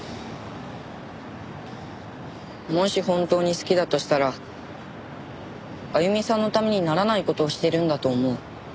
もし本当に好きだとしたらあゆみさんのためにならない事をしてるんだと思う。